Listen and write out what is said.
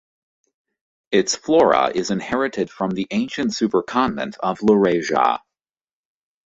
Its flora is inherited from the ancient supercontinent of Laurasia.